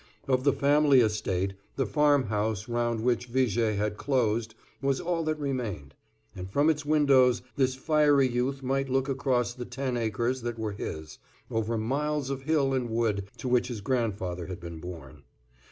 Of the family estate, the farm house, round which Viger had closed, was all that remained, and from its windows this fiery youth might look across the ten acres that were his, over miles of hill and wood to which his grandfather had been born.